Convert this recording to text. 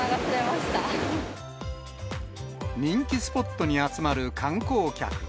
人気スポットに集まる観光客。